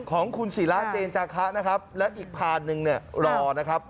ของคุณศิระเจนจาคะนะครับและอีกพานหนึ่งเนี่ยรอนะครับ